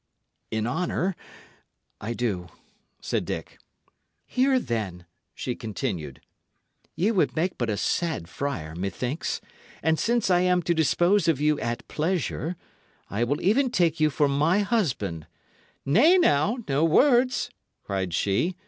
"In honour, I do," said Dick. "Hear, then," she continued; "Ye would make but a sad friar, methinks; and since I am to dispose of you at pleasure, I will even take you for my husband. Nay, now, no words!" cried she.